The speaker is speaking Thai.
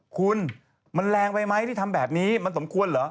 คุณมันแรงไปไหมที่ทำแบบนี้มันสมควรเหรอ